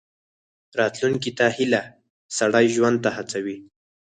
راتلونکي ته هیله، سړی ژوند ته هڅوي.